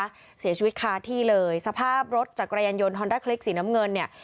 เสียชีวิตคาที่เลยสภาพรถจักรยานยนต์ฮอนด้าคลิกสีน้ำเงินเนี่ย